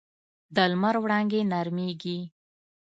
د لمر وړانګې نرمېږي